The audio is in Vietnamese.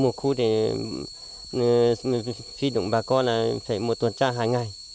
một khu để phi động bà con là phải một tuần trang hai ngày